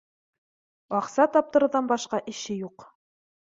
Аҡса таптырыуҙан башҡа эше юҡ